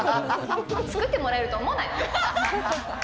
作ってもらえると思うなよ。